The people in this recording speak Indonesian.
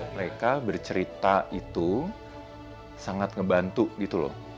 mereka bercerita itu sangat ngebantu gitu loh